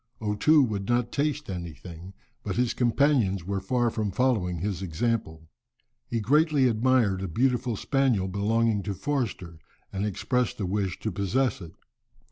O Too would not taste anything, but his companions were far from following his example. He greatly admired a beautiful spaniel belonging to Forster and expressed a wish to possess it.